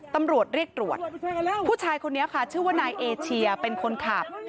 ตำรวจเรียกตรวจผู้ชายคนนี้ค่ะชื่อว่านายเอเชียเป็นคนขับ